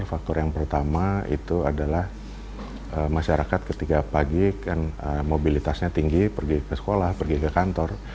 faktor yang pertama itu adalah masyarakat ketika pagi mobilitasnya tinggi pergi ke sekolah pergi ke kantor